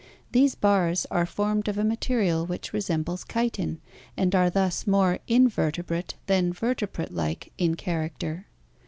These bars are formed of a material which resembles chitin and are thus more inver tebrate than vertebrate like in character.